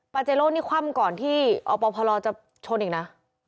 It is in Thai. เจโลนี่คว่ำก่อนที่อปพลจะชนอีกนะ